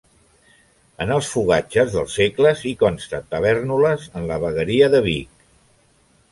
En els fogatges dels segles i consta Tavèrnoles en la vegueria de Vic.